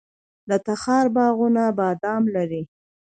د تخار باغونه بادام لري.